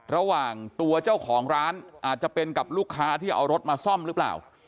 ระหว่างตัวเจ้าของร้านอาจจะเป็นกับลูกค้าที่เอารถมาซ่อมหรือเปล่า